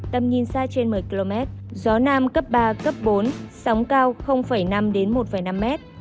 tầm nhìn xa trên một mươi km gió nam cấp ba cấp bốn sóng cao năm một năm mét